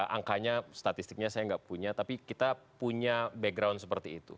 angkanya statistiknya saya nggak punya tapi kita punya background seperti itu